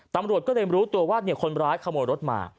ตำรวจก็เลยรู้ตัวว่าคนร้ายขโมยรถมา